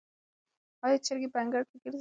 آیا چرګې په انګړ کې ګرځي؟